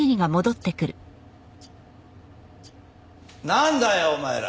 なんだよお前ら！